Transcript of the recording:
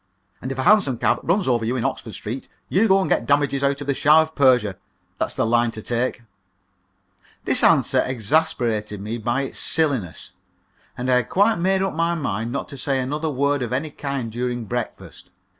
"And if a hansom cab runs over you in Oxford Street, you go and get the damages out of the Shah of Persia. That's the line to take." This answer exasperated me by its silliness, and I had quite made up my mind not to say another word of any kind during breakfast.